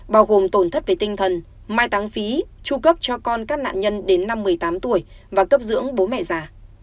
bao gồm tổn thất về tinh thần mai tăng phí tru cấp cho con các nạn nhân đến năm một mươi tám tuổi và cấp dưỡng bố mẹ già